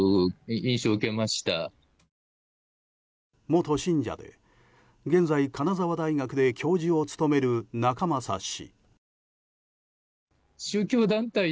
元信者で現在、金沢大学で教授を務める仲正氏。